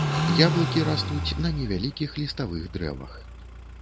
Яблыкі растуць на невялікіх ліставых дрэвах.